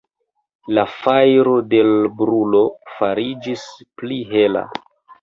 La fajro de l' brulo fariĝis pli hela.